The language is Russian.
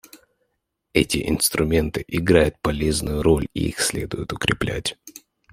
Эти инструменты играют полезную роль, и их следует укреплять.